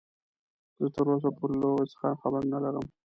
زه تراوسه پورې له هغوې څخه خبر نلرم.